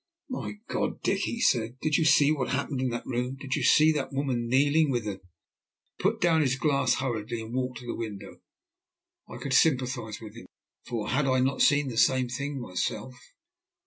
"My God, Dick," he said, "did you see what happened in that room? Did you see that woman kneeling with the " He put down his glass hurriedly and walked to the window. I could sympathize with him, for had I not seen the same thing myself?